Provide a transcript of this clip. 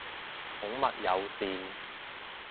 寵物友善